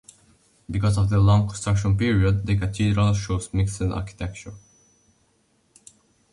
Because of the long construction period, the cathedral shows mixed architecture.